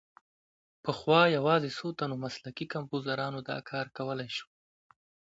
پخوا یوازې څو تنو مسلکي کمپوزرانو دا کار کولای شو.